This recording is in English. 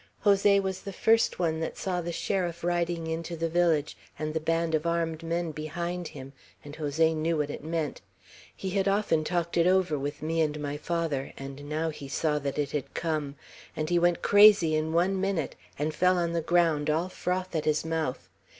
Jose was the first one that saw the sheriff riding into the village, and the band of armed men behind him, and Jose knew what it meant. He had often talked it over with me and with my father, and now he saw that it had come; and he went crazy in one minute, and fell on the ground all froth at his mouth.